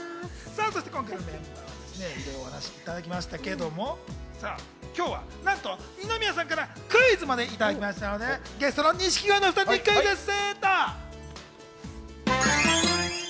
そして今回のメンバー、お話いただきましたけれども、今日はなんと二宮さんからクイズまでいただきましたので、ゲストの錦鯉のお２人にクイズッス。